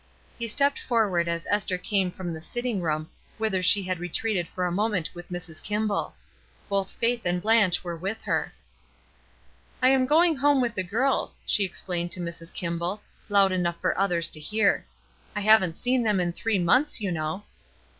He stepped forward as Esther came from the sitting room whither she had retreated for a moment with Mrs. Kimball. Both Faith and Beatrice were with her. ''I am going home with the girls/' she ex plained to Mrs. Kimball, loud enough for others to hear. '*I haven't seen them in three months, you know."